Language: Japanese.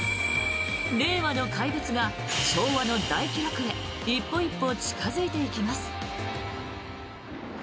令和の怪物が昭和の大記録へ一歩一歩近付いていきます。